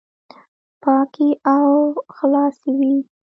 پاکي او خلاصي وي،